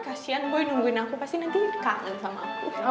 kasian boy nungguin aku pasti nanti kangen sama aku